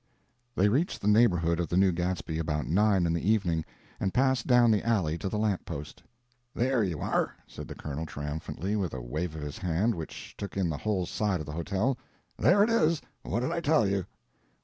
They reached the neighborhood of the New Gadsby about nine in the evening, and passed down the alley to the lamp post. "There you are," said the colonel, triumphantly, with a wave of his hand which took in the whole side of the hotel. "There it is—what did I tell you?"